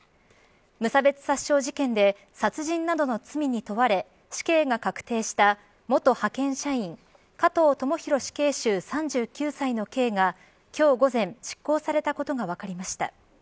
無差別殺傷事件で殺人などの罪に問われ死刑が確定した元派遣社員加藤智大死刑囚、３９歳の刑が今日午前執行されたことが分かりました。